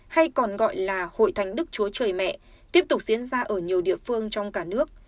hay còn gọi là hội thánh đức chúa trời mẹ tiếp tục diễn ra ở nhiều địa phương trong cả nước